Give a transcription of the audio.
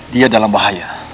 dia dalam bahaya